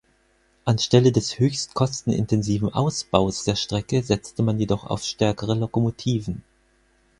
Anstelle des höchst kostenintensiven Ausbaus der Strecke setzte man jedoch auf stärkere Lokomotiven.